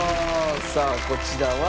さあこちらは。